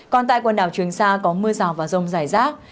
còn tại quần đảo trường sa có mưa rào và rông rải rác